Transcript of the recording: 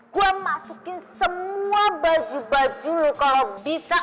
gue masukin semua baju baju lo kalo bisa